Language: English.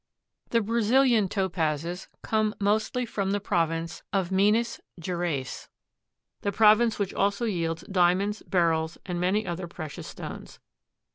The Brazilian Topazes come mostly from the Province of Minas Geraes, the province which also yields diamonds, beryls and many other precious stones.